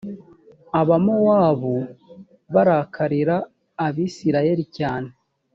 abamowabu barakarira abisirayeli cyane